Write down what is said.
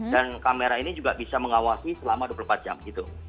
dan kamera ini juga bisa mengawasi selama dua puluh empat jam gitu